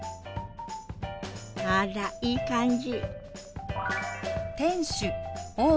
あらいい感じ！